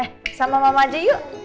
eh sama mama jo yuk